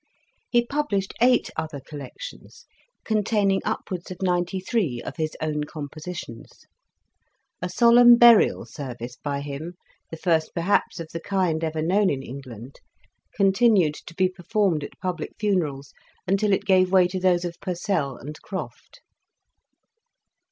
He published eight other collections, containing upwards of ninety three of his own com positions. A solemn burial service by him, the first perhaps of the kind ever known in England, continued to be performed at public funerals until it gave way to those of Purcell and Croft.